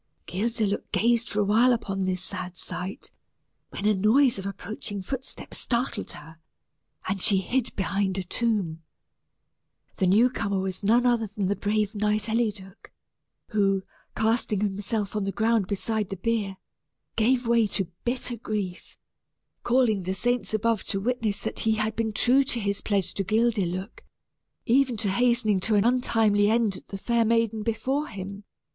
Guildeluec gazed for a while upon this sad sight, when a noise of approaching footsteps startled her, and she hid behind a tomb. The new comer was none other than the brave knight Eliduc, who, casting himself on the ground beside the bier, gave way to bitter grief, calling the saints above to witness that he had been true to his pledge to Guildeluec, even to hastening to an untimely end the fair maiden before him.